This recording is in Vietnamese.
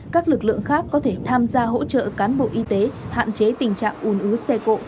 các lực lượng khác có thể tham gia hỗ trợ cán bộ y tế hạn chế tình trạng ùn ứ xe cộ